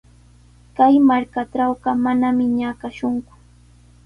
Kay markaatrawqa manami ñakashunku.